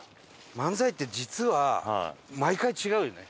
漫才って実は毎回違うよね。